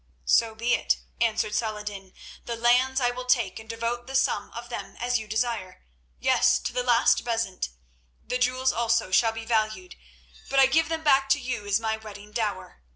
"So be it," answered Saladin. "The lands I will take and devote the sum of them as you desire—yes, to the last bezant. The jewels also shall be valued, but I give them back to you as my wedding dower.